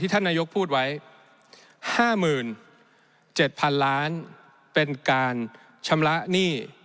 ท่านนายกพูดไว้๕๗๐๐๐ล้านเป็นการชำระหนี้